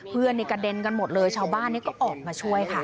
ในกระเด็นกันหมดเลยชาวบ้านก็ออกมาช่วยค่ะ